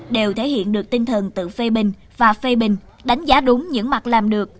đều thể hiện được tinh thần tự phê bình và phê bình đánh giá đúng những mặt làm được